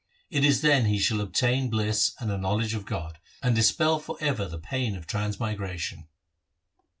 It is then he shall obtain bliss and a knowledge of God, and dispel for ever' the pain of transmigration.'